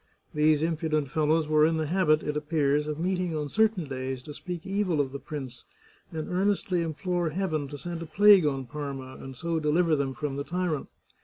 These im pudent fellows were in the habit, it appears, of meeting on certain days to speak evil of the prince and earnestly im plore Heaven to send a plague on Parma, and so deliver them from the tyrant.